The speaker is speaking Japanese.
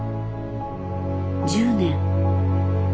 １０年。